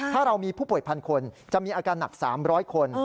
ถ้าเรามีผู้ป่วยพันคนจะมีอาการหนัก๓๐๐คน